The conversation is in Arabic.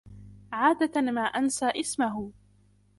عادة ما أنسى إسمه.